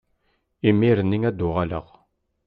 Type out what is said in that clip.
Imir-nni ad d-uɣaleɣ.